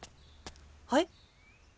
はい？